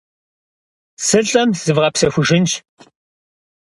Сылӏэм зывгъэпсэхужынщ.